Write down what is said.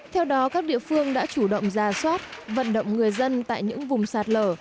theo đó các địa phương đã chủ động ra soát vận động người dân tại những vùng sạt lở